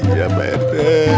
ya pak rt